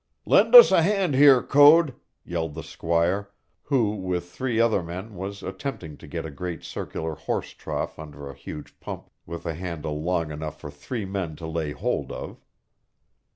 "Lend us a hand here, Code," yelled the squire, who with three other men was attempting to get a great circular horse trough under a huge pump with a handle long enough for three men to lay hold of.